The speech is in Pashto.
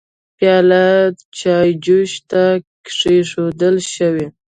پيالې چايجوشه ته کيښودل شوې.